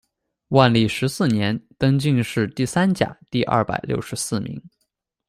万历十四年，登进士第三甲第二百六十四名。